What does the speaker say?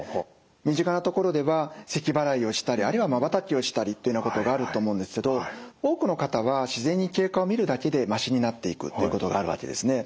身近なところではせきばらいをしたりあるいはまばたきをしたりというようなことがあると思うんですけど多くの方は自然に経過を見るだけでましになっていくということがあるわけですね。